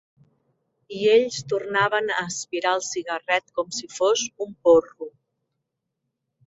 I ells tornaven a aspirar el cigarret com si fos un porro.